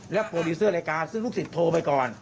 โปรดิวเซอร์รายการซึ่งลูกศิษย์โทรไปก่อน